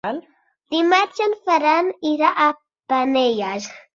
Dimarts en Ferran irà a Penelles.